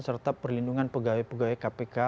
serta perlindungan pegawai pegawai kpk